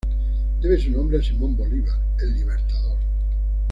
Debe su nombre a Simón Bolívar "El Libertador".